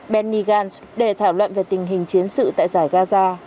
benny gantz để thảo luận về tình hình chiến sự tại giải gaza